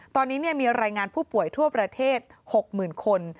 ตอนนี้มีรายงานผู้ป่วยทั่วประเทศ๖๐๐๐คน